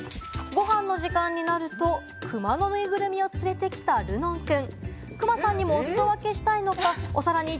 ごはんの時間になるとクマのぬいぐるみを連れてきた、るのんくん。